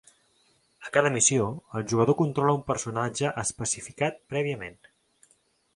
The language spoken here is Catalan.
A cada missió, el jugador controla un personatge especificat prèviament.